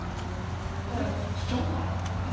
俺、こっちちゃうかな？